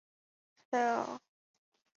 夏军弄断白龙江桥。